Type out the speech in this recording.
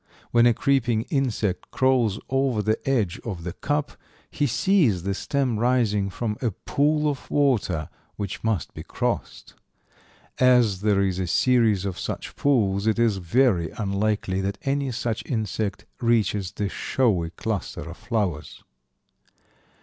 When a creeping insect crawls over the edge of the cup he sees the stem rising from a pool of water which must be crossed. As there is a series of such pools it is very unlikely that any such insect reaches the showy cluster of flowers.